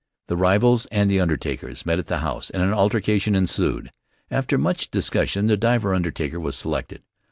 The rivals and the undertakers met at the house and an altercation ensued. After much discussion the Divver undertaker was selected.